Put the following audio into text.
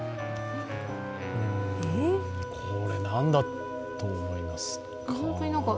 これ、なんだと思いますか？